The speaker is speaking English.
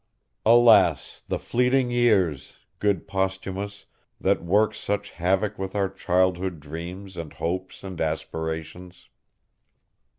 Alas, the fleeting years, good Posthumus, that work such havoc with our childhood dreams and hopes and aspirations!